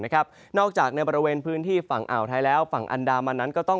นอกจากในบริเวณพื้นที่ฝั่งอ่าวไทยแล้วฝั่งอันดามันนั้นก็ต้อง